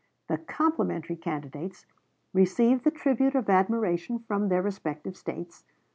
The "complimentary" candidates received the tribute of admiration from their respective States.